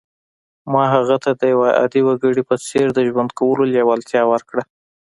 ما هغه ته د یوه عادي وګړي په څېر د ژوند کولو لېوالتیا ورکړه